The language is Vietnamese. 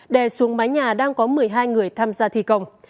đè xuống mái nhà đang có một mươi hai người tham gia thi công